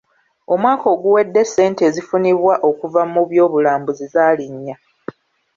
Omwaka oguwedde ssente ezifunibwa okuva mu by'obulambuzi zaalinnya.